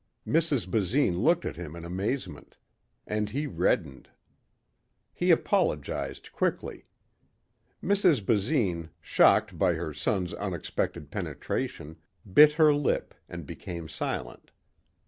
Mrs. Basine looked at him in amazement, and he reddened. He apologized quickly. Mrs. Basine, shocked by her son's unexpected penetration, bit her lip and became silent.